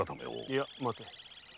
いや待て。